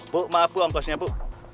bu maaf bu ampasnya bu